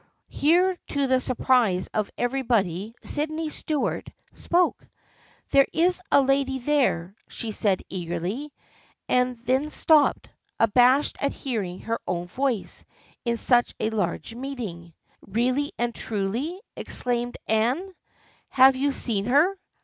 Here to the surprise of everybody Sydney Stuart THE FRIENDSHIP OF ANNE 59 spoke. " There is a lady there," she said eagerly, and then stopped, abashed at hearing her own voice in such a large meeting. " Really and truly ?" exclaimed Anne. " Have you seen her